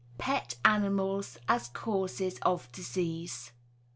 PET ANIMALS AS CAUSES OF DISEASE.